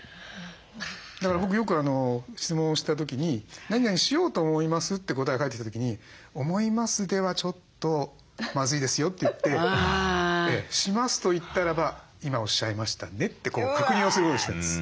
だから僕よく質問をした時に「なになにしようと思います」って答えが返ってきた時に「『思います』ではちょっとまずいですよ」って言って「します」と言ったらば「今おっしゃいましたね」って確認をすることにしてるんです。